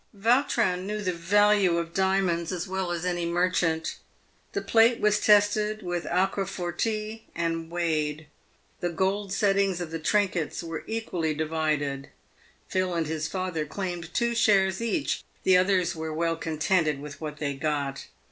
Yautrin knew the value of diamonds as well as any merchant. The plate was tested with aquafortis and weighed. The gold settings of the trinkets were equally divided. Philip and his father claimed two shares each ; the others were well contented with what they got.